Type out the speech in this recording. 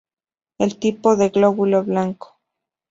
Un tipo de glóbulo blanco.